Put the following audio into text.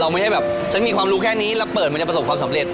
ไม่ใช่แบบฉันมีความรู้แค่นี้แล้วเปิดมันจะประสบความสำเร็จ